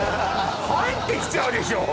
入ってきちゃうでしょ